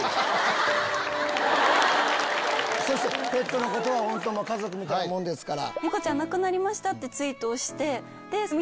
ペットのことは家族みたいなもんですから。